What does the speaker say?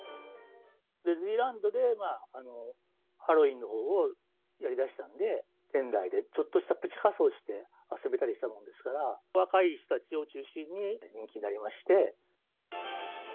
ディズニーランドでハロウィーンのほうをやりだしたので、園内でちょっとしたプチ仮装をして遊べたりしたものですから、若い人たちを中心に人気になりまして。